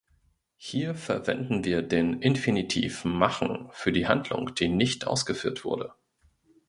Hier verwenden wir den Infinitiv "machen" für die Handlung, die nicht ausgeführt wurde.